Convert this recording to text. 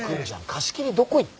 貸し切りどこいった。